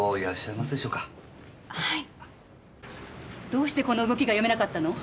どうしてこの動きが読めなかったの？